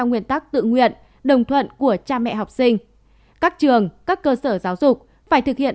nguyên tắc tự nguyện đồng thuận của cha mẹ học sinh các trường các cơ sở giáo dục phải thực hiện